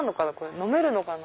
飲めるのかな？